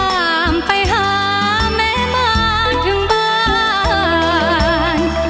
ตามไปหาแม่มาถึงบ้าน